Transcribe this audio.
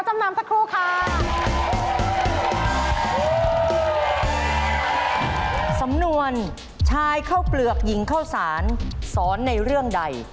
จำนำเสร็จแล้วเราก็ต้องขายของ